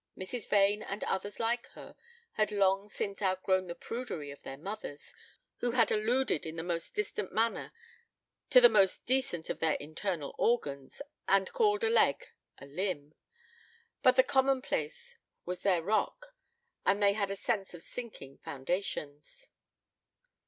Mrs. Vane and others like her had long since outgrown the prudery of their mothers, who had alluded in the most distant manner to the most decent of their internal organs, and called a leg a limb; but the commonplace was their rock, and they had a sense of sinking foundations.